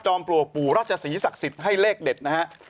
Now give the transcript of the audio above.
จอมปลัวปู่ราชศรีศักดิ์สิทธิ์ให้เลขเด็ดนะครับ